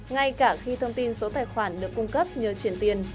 ngay cả khi thông tin số tài khoản được cung cấp nhờ chuyển tiền